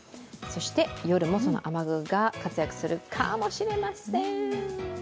夜もその雨具が活躍するかもしれません。